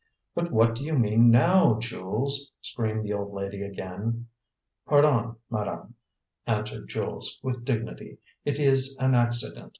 "But what do you mean now, Jules?" screamed the old lady again. "Pardon, madame," answered Jules, with dignity; "it is an accident.